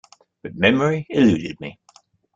But memory eluded me.